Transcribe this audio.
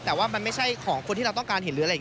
แต่ว่ามันไม่ใช่ของคนที่เราต้องการเห็น